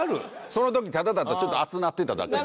その時ただただちょっと熱なってただけで。